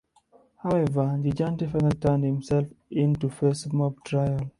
However, Gigante finally turned himself in to face mob trial.